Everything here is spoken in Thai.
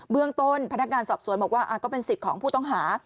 เรื่องต้นพนักงานสอบสวนบอกว่าก็เป็นสิทธิ์ของผู้ต้องหา